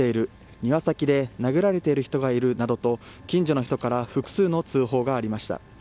庭先で殴られている人がいるなどと近所の人から複数の通報がありました。